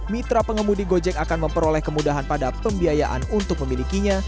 mitra pengemudi gojek akan memperoleh kemudahan pada pembiayaan untuk memilikinya